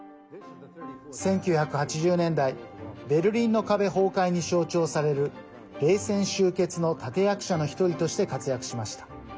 １９８０年代ベルリンの壁崩壊に象徴される冷戦終結の立て役者の１人として活躍しました。